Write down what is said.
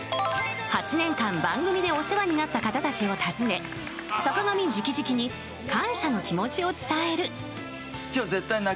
８年間、番組でお世話になった方たちを訪ね坂上直々に感謝の気持ちを伝える。